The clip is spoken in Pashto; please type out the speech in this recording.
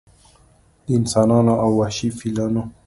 د انسانانو او وحشي فیلانو